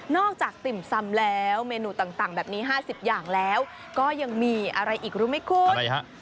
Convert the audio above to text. นอกจากติ่มซำแล้วเมนูต่างต่างแบบนี้ห้าสิบอย่างแล้วก็ยังมีอะไรอีกรู้ไหมคุณอะไรฮะ